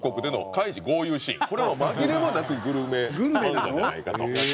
これは紛れもなくグルメ漫画じゃないかと。